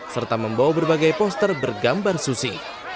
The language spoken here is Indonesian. serta membawa berbagai poster bergambar sushi